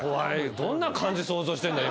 どんな漢字想像してんだ今。